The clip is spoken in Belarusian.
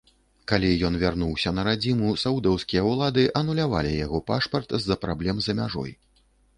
Калі ён вярнуўся на радзіму, саудаўскія ўлады анулявалі яго пашпарт з-за праблем за мяжой.